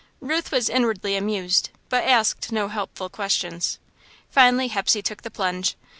Ruth was inwardly amused but asked no helpful questions. Finally, Hepsey took the plunge.